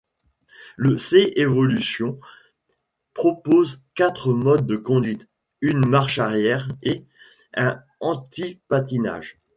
Le C evolution propose quatre modes de conduite, une marche arrière et un antipatinage.